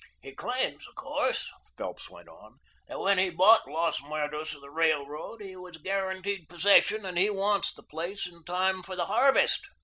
"He claims, of course," Phelps went on, "that when he bought Los Muertos of the Railroad he was guaranteed possession, and he wants the place in time for the harvest."